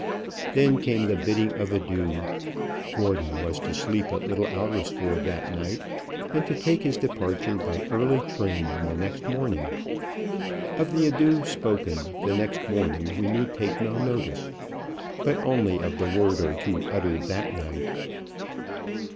Then came the bidding of adieu. Gordon was to sleep at Little Alresford that night, and to take his departure by early train on the next morning. Of the adieux spoken the next morning we need take no notice, but only of the word or two uttered that night.